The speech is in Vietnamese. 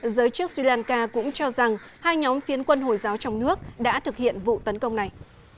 giới chức sri lanka cũng cho rằng hai nhóm phiến quân hồi giáo trong nước đã thực hiện vụ tấn công này